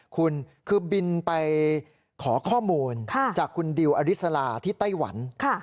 คุณคือบินไปขอข้อมูลจากคุณดิวอริสลาที่ไต้หวัน